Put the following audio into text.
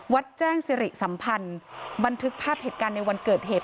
แจ้งสิริสัมพันธ์บันทึกภาพเหตุการณ์ในวันเกิดเหตุ